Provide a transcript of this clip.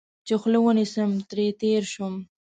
چې خوله ونیسم، ترې تېر شوم.